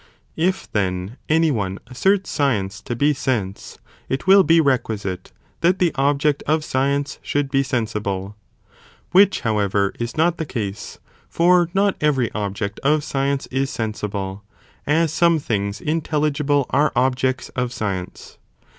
If, then, any one asserts science to be sense, it will be requisite that the object of science should be sensible, which, however, is not the case, for not every object of science is sensible, as some things intelligible are objects of science.